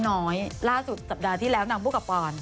น้อยล่าสุดสัปดาห์ที่แล้วนางพูดกับปอน